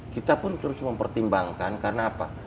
kita pun terus mempertimbangkan karena apa